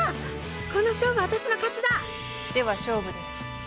この勝負わたしの勝ちだでは勝負です。